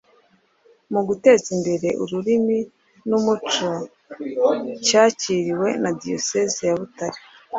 mu guteza imbere ururimi n’umuco cyakiriwe na Diyosezi ya Butare.